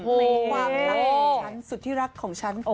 ความรักของฉันสุดที่รักของฉัน